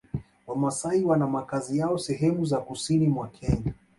Wamasai wana makazi yao sehemu za Kusini mwa Kenya